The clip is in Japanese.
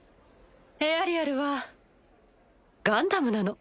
エアリアルはガンダムなの。